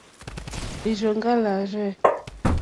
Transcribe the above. Lírzòŋɡá lârzɛ̂.